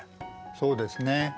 そうですね。